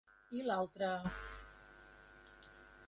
I l'altre??